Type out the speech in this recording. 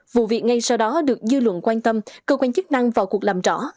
vụ việc ngay sau đó được dư luận quan tâm cơ quan chức năng vào cuộc làm rõ